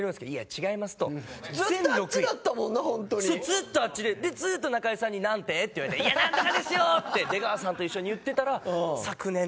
ずっとあっちでずっと中居さんに「なんて？」って言われて「いやナントカですよ」って出川さんと一緒に言ってたら昨年と。